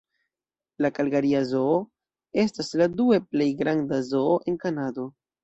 La kalgaria zoo estas la due plej granda zoo en Kanado.